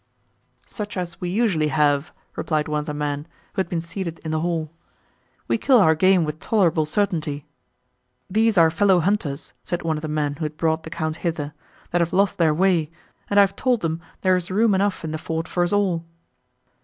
"Such as we usually have," replied one of the men, who had been seated in the hall, "we kill our game with tolerable certainty." "These are fellow hunters," said one of the men who had brought the Count hither, "that have lost their way, and I have told them there is room enough in the fort for us all."